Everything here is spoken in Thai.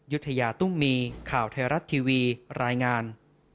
ยุธยาตุ้มมีข่าวไทยรัฐทีวีรายงาน